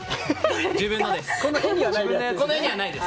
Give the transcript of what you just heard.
自分のです。